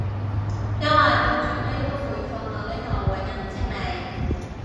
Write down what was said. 因為到最尾都會放落呢度揾人清理